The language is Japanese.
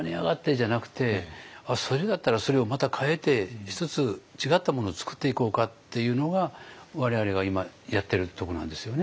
じゃなくてあっそれだったらそれをまた変えて１つ違ったものを作っていこうかっていうのが我々が今やってるとこなんですよね。